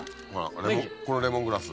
あっレモングラス。